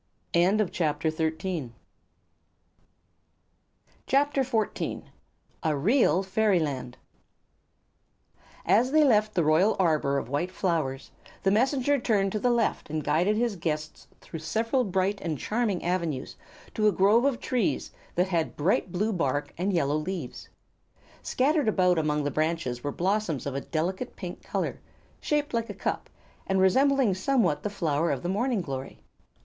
[CHAPTER XIV] A Real Fairyland As they left the royal arbor of white flowers the Messenger turned to the left and guided his guests through several bright and charming avenues to a grove of trees that had bright blue bark and yellow leaves. Scattered about among the branches were blossoms of a delicate pink color, shaped like a cup and resembling somewhat the flower of the morning glory.